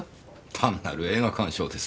単なる映画鑑賞です。